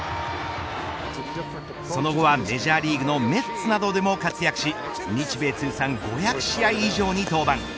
その後はメジャーリーグのメッツなどでも活躍し日米通算５００試合以上に登板。